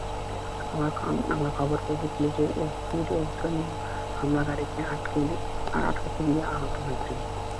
আমরা খবর পেয়েছি, পুলিশের এসবির একজন হামলাকারীকে ঠেকাতে গিয়ে আহত হয়েছেন।